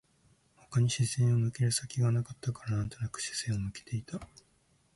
他に視線を向ける先がなかったから、なんとなく視線を向けていた